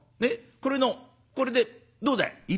これのこれでどうだい？」。